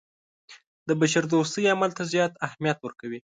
د بشردوستۍ عمل ته زیات اهمیت ورکوي.